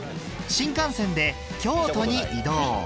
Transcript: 新幹線で京都に移動